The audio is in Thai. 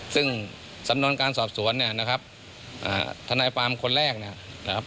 ซึ่งสำนวนการสอบสวนนะครับทนายฟาร์มคนแรกนะครับ